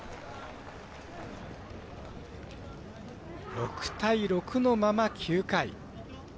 ６対６のまま９回。